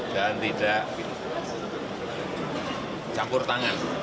dan tidak campur tangan